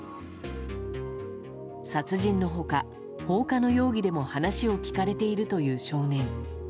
殺人の他、放火の容疑でも話を聞かれているという少年。